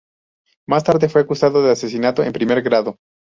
Más tarde fue acusado de asesinato en primer grado.